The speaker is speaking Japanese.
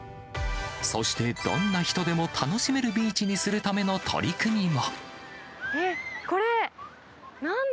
そして、どんな人でも楽しめるビーチにするための取り組みも。え？